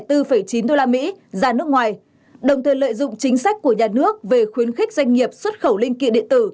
bảy trăm linh bốn chín usd ra nước ngoài đồng thời lợi dụng chính sách của nhà nước về khuyến khích doanh nghiệp xuất khẩu linh kiện điện tử